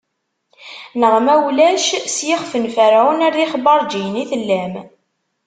Neɣ ma ulac, s yixf n Ferɛun, ar d ixbaṛǧiyen i tellam.